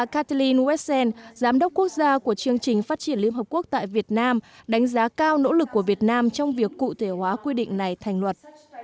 các giám đốc quốc gia của chương trình phát triển liên hiệp quốc tại việt nam đánh giá cao nỗ lực của việt nam trong việc cụ thể hóa quy định này thành luật